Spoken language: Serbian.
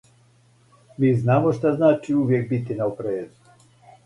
Ми знамо шта значи увијек бити на опрезу.